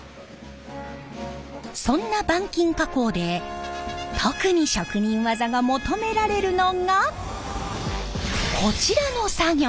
そんな板金加工で特に職人技が求められるのがこちらの作業！